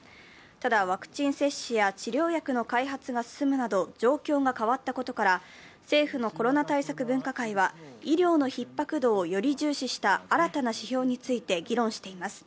ただワクチン接種や治療薬の開発が進むなど状況が変わったことから、政府のコロナ対策分科会は医療のひっ迫度をより重視した、新たな指標について議論しています。